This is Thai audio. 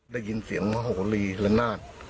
ได้ยินเสียงโมโหลีละนาด